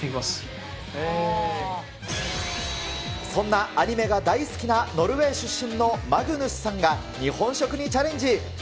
そんなアニメが大好きなノルウェー出身のマグヌスさんが日本食にチャレンジ。